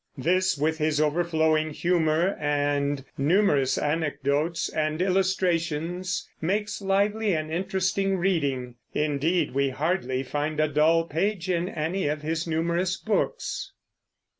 This, with his overflowing humor and numerous anecdotes and illustrations, makes lively and interesting reading. Indeed, we hardly find a dull page in any of his numerous books.